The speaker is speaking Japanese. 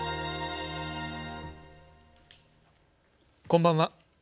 こんばんは。